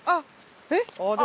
えっ？